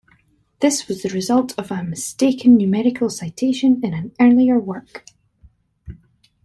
This was the result of a mistaken numerical citation in an earlier work.